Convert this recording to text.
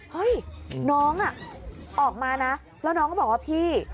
เฮ้ยน้องออกมานะแล้วน้องก็บอกว่าพี่